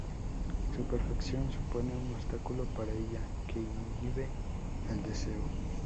Su perfección supone un obstáculo para ella que inhibe el deseo.